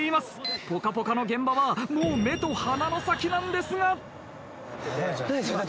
『ぽかぽか』の現場はもう目と鼻の先なんですが。